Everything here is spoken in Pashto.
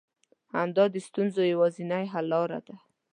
همدا د ستونزو يوازنۍ حل لاره ده.